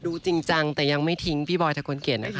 จริงจังแต่ยังไม่ทิ้งพี่บอยทะคนเขียนนะคะ